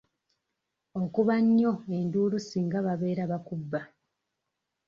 Okuba nnyo enduulu singa babeera bakubba.